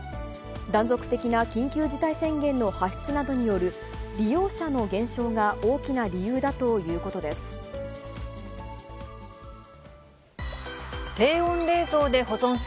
断続的な緊急事態宣言の発出などによる利用者の減少が大きな理由だということです。